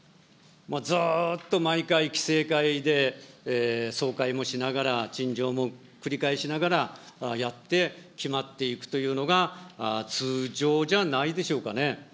ずっと毎回期成会で総会もしながら、陳情も繰り返しながらやって決まっていくというのが、通常じゃないでしょうかね。